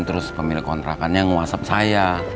terus pemilik kontrakannya whatsapp saya